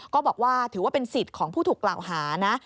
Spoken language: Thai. ก็บอกว่าถือว่าเป็นสิทธิ์ของผู้ถูกกล่าวหานะ